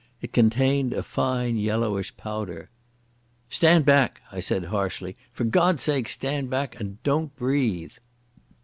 It contained a fine yellowish powder. "Stand back," I said harshly. "For God's sake, stand back and don't breathe."